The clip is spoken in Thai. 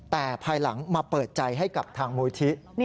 แต่ภายหลังมาเปิดใจให้กับทางมูลที่